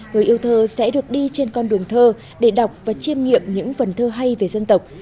người yêu thơ sẽ được đi trên con đường thơ để đọc và chiêm nghiệm những phần thơ hay về dân tộc